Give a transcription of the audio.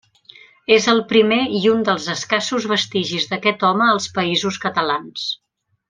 És el primer i un dels escassos vestigis d’aquest home als Països Catalans.